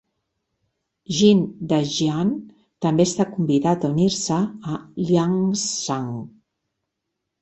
Jin Dajian també està convidat a unir-se a Liangshan.